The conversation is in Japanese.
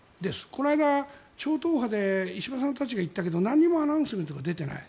この間超党派で石破さんたちが行ったけど何もアナウンスが出ていない。